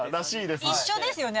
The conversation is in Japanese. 一緒ですよね